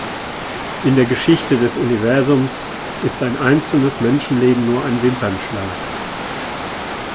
In der Geschichte des Universums ist ein einzelnes Menschenleben nur ein Wimpernschlag.